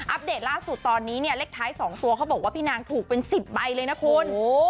เดตล่าสุดตอนนี้เนี่ยเลขท้าย๒ตัวเขาบอกว่าพี่นางถูกเป็น๑๐ใบเลยนะคุณ